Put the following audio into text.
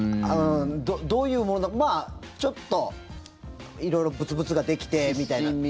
どういうものだかちょっと色々ブツブツができてみたいな。